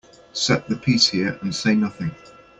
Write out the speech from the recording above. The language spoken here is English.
Set the piece here and say nothing.